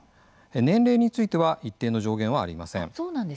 年齢については一定の上限はありません。